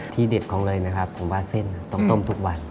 เด็ดของเลยนะครับผมว่าเส้นต้องต้มทุกวัน